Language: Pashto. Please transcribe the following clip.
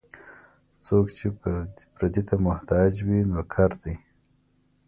څوک چې پردي ته محتاج وي، نوکر دی.